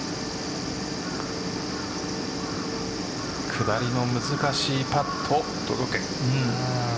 下りの難しいパット。